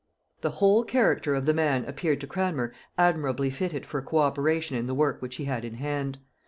The whole character of the man appeared to Cranmer admirably fitted for co operation in the work which he had in hand.